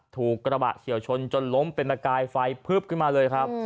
ถูกกระบะเฉียวชนจนล้มเป็นประกายไฟพึบขึ้นมาเลยครับ